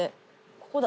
ここだ。